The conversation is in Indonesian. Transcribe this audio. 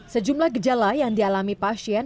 sejumlah gejala yang dialami pasien